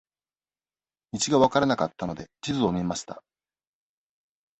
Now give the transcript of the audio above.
道が分からなかったので、地図を見ました。